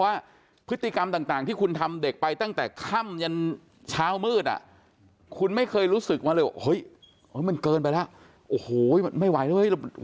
เพราะว่าพฤติกรรมต่างที่คุณทำเด็กไปตั้งแต่ค่ำยันเช้ามืดอ่ะคุณไม่เคยรู้สึกว่าเห้ยเกินไปแล้วโอ้โหไม่ไหว